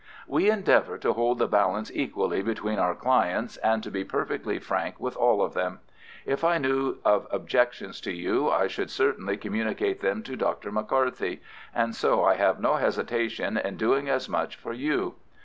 "We endeavour to hold the balance equally between our clients, and to be perfectly frank with all of them. If I knew of objections to you I should certainly communicate them to Dr. McCarthy, and so I have no hesitation in doing as much for you.